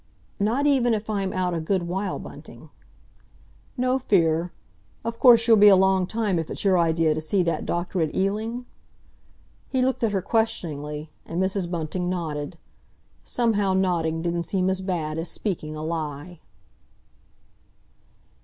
"Not even if I'm out a good while, Bunting." "No fear. Of course, you'll be a long time if it's your idea to see that doctor at Ealing?" He looked at her questioningly, and Mrs. Bunting nodded. Somehow nodding didn't seem as bad as speaking a lie.